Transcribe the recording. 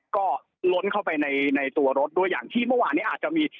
ก็ล้นเข้าไปในตัวรถด้วยอย่างที่เมื่อวานนี้อาจจะมี